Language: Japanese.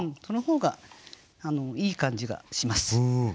その方がいい感じがします。